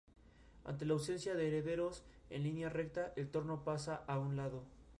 Ante la ausencia de herederos en línea recta, el trono pasa a un lado.